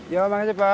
ya bangun cepat